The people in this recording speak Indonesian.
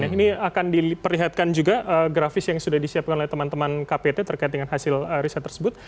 ini akan diperlihatkan juga grafis yang sudah disiapkan oleh teman teman kpt terkait dengan hasil riset tersebut